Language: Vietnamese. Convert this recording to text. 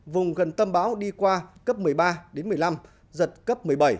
vùng gần tâm bão đi qua cấp một mươi ba đến một mươi năm giật cấp một mươi bảy